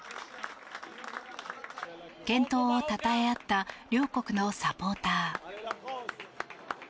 健闘をたたえ合った両国のサポーター。